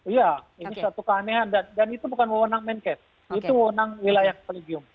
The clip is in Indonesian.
iya ini satu keanehan dan itu bukan wewenang menkes itu wenang wilayah predium